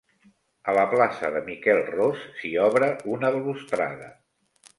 A la plaça de Miquel Ros s'hi obra una balustrada.